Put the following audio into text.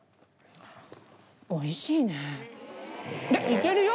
いけるよ。